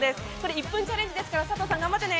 １分チャレンジですから佐藤さん、頑張ってね！